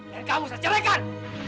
dan kamu saya cerekkan